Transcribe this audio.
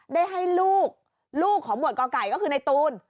ได้ให้ลูกลูกของหวดก่อไก่ก็คือในตูน